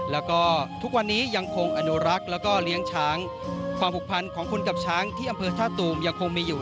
และทุกวันนี้ยังคงอนุรักษ์และเรียงช้างความผลพรรคของคนกับช้างที่อำเภอท่าตูมยังคงอยู่